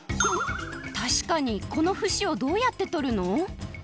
たしかにこのふしをどうやってとるの？